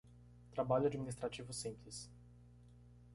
Trabalho administrativo simples